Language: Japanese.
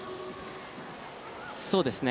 そうですね。